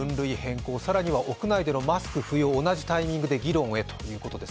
更には屋内でのマスク不要、同じタイミングで議論へということです。